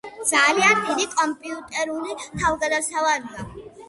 ძალიან დიდი კომპიუტერული თავგადასავალი.